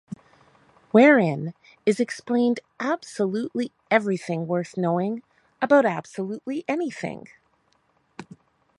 Wherein is explained absolutely everything worth knowing about absolutely anything.